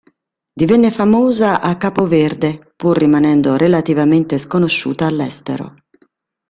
Divenne famosa a Capo Verde, pur rimanendo relativamente sconosciuta all'estero.